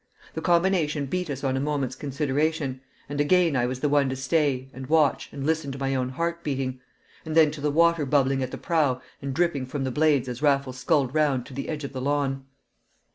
The combination beat us on a moment's consideration; and again I was the one to stay, and watch, and listen to my own heart beating; and then to the water bubbling at the prow and dripping from the blades as Raffles sculled round to the edge of the lawn.